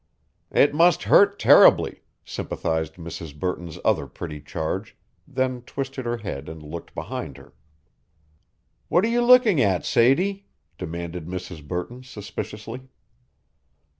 "It must hurt terribly," sympathized Mrs. Burton's other pretty charge, then twisted her head and looked behind her. "What are you looking at, Sadie?" demanded Mrs. Burton, suspiciously.